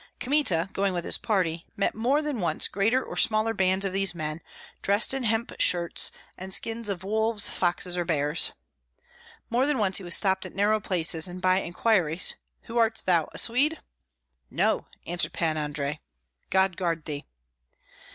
Kmita, going with his party, met more than once greater or smaller bands of these men, dressed in hemp shirts, and skins of wolves, foxes, or bears. More than once he was stopped at narrow places, and by inquiries, "Who art thou? A Swede?" "No!" answered Pan Andrei. "God guard thee!"